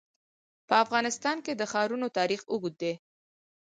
په افغانستان کې د ښارونه تاریخ اوږد دی.